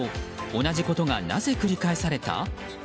同じことがなぜ繰り返された？